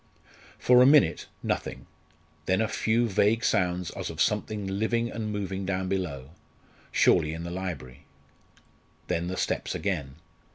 For a minute, nothing then a few vague sounds as of something living and moving down below surely in the library? Then the steps again.